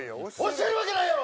教えるわけないやろ！